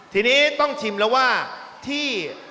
สีใช้ในโปร